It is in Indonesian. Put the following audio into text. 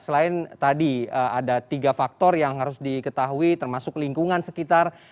selain tadi ada tiga faktor yang harus diketahui termasuk lingkungan sekitar